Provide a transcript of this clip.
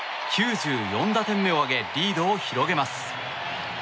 ９４打点目を挙げリードを広げます。